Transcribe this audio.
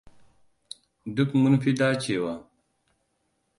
Duk mun fi dacewa.